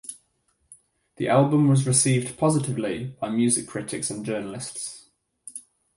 The album was received positively by music critics and journalists.